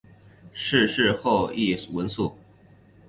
逝世后谥文肃。